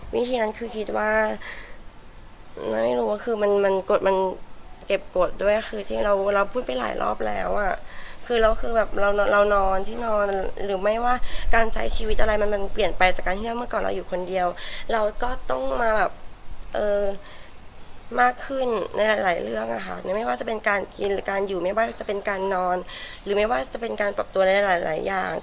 วิธีนั้นคือคิดว่าคือมันมันกฎมันเก็บกฎด้วยคือที่เราพูดไปหลายรอบแล้วอ่ะคือเราคือแบบเราเรานอนที่นอนหรือไม่ว่าการใช้ชีวิตอะไรมันมันเปลี่ยนไปจากการที่ว่าเมื่อก่อนเราอยู่คนเดียวเราก็ต้องมาแบบมากขึ้นในหลายเรื่องอะค่ะไม่ว่าจะเป็นการกินหรือการอยู่ไม่ว่าจะเป็นการนอนหรือไม่ว่าจะเป็นการปรับตัวในหลายอย่าง